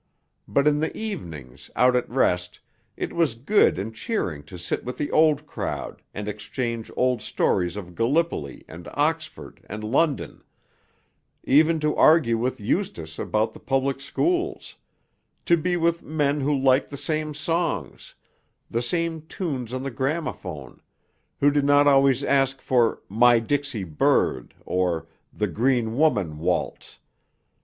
But in the evenings, out at rest, it was good and cheering to sit with the Old Crowd and exchange old stories of Gallipoli and Oxford and London; even to argue with Eustace about the Public Schools; to be with men who liked the same songs, the same tunes on the gramophone, who did not always ask for 'My Dixie Bird' or 'The Green Woman' waltz....